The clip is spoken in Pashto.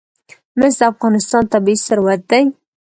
مس د افغانستان طبعي ثروت دی.